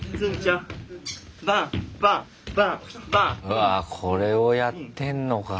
うわこれをやってんのか。